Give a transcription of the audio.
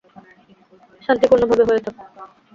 শান্তিপূর্ণভাবে হয়ে যাক।